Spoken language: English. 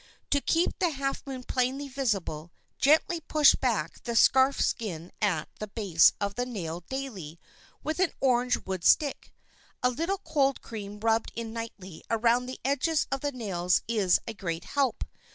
To keep the half moon plainly visible, gently push back the scarf skin at the base of the nail daily with an orange wood stick. A little cold cream rubbed in nightly around the edges of the nails is a great help.